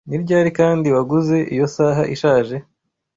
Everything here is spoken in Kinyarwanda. Ni ryari kandi waguze iyo saha ishaje?